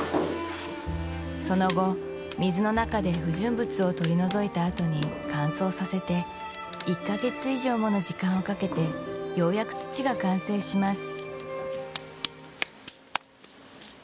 その後水の中で不純物を取り除いたあとに乾燥させて１カ月以上もの時間をかけてようやく土が完成します